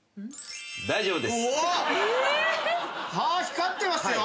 大丈夫です。